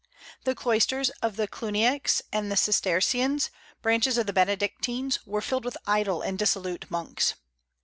The cloisters of Cluniacs and Cistercians branches of the Benedictines were filled with idle and dissolute monks.